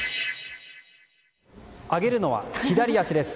上げるのは左足です。